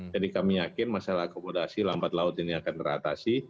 jadi kami yakin masalah akomodasi lambat laut ini akan teratasi